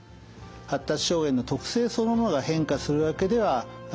発達障害の特性そのものが変化するわけではありません。